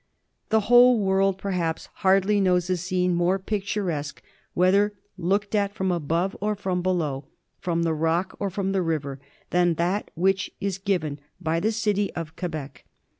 The whole world, perhaps, hardly holds a scene more picturesque, whether looked at from above or from below, from the rock or from the river, than that which is given by the city of Quebec.